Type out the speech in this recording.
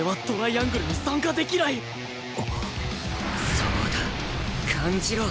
そうだ感じろ！